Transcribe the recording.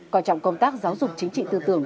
coi trọng công tác giáo dục chính trị tư tưởng